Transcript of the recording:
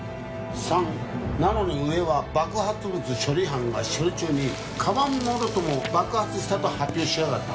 ３。なのに上は爆発物処理班が処理中に鞄もろとも爆発したと発表しやがった。